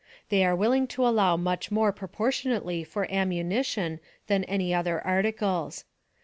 They are willing to allow much more proportionately for ammunition than any other articles.